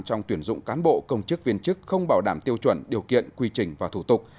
trong tuyển dụng cán bộ công chức viên chức không bảo đảm tiêu chuẩn điều kiện quy trình và thủ tục